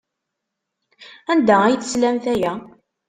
Anda ay teslamt aya?